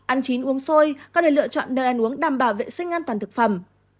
ăn chín uống xôi các đề lựa chọn nơi ăn uống đảm bảo vệ sinh an toàn thực phẩm